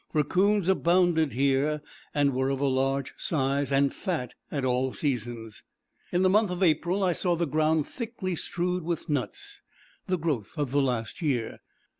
Raccoons abounded here, and were of a large size, and fat at all seasons. In the month of April I saw the ground thickly strewed with nuts, the growth of the last year.